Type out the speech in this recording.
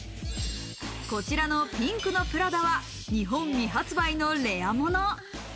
こちらのピンクのプラダは日本未発売のレア物。